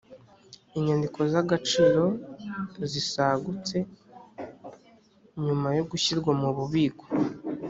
inyandiko z agaciro zisagutse nyuma yo gushyirwa mu bubiko